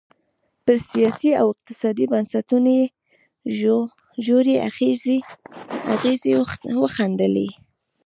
پر سیاسي او اقتصادي بنسټونو یې ژورې اغېزې وښندلې.